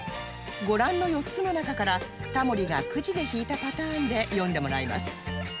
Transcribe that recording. ご覧の４つの中からタモリがクジで引いたパターンで読んでもらいます